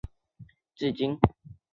照片保存至今。